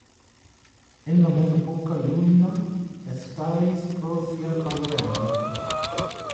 En la Mezepoko Luna elstaris pro sia toleremo.